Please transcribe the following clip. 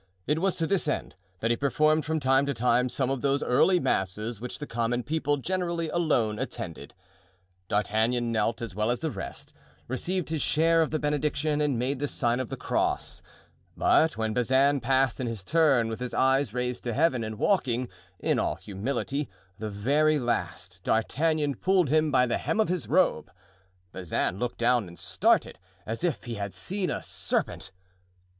It was to this end that he performed from time to time some of those early masses which the common people, generally, alone attended. * A sacerdotal officer. D'Artagnan knelt as well as the rest, received his share of the benediction and made the sign of the cross; but when Bazin passed in his turn, with his eyes raised to Heaven and walking, in all humility, the very last, D'Artagnan pulled him by the hem of his robe. Bazin looked down and started, as if he had seen a serpent.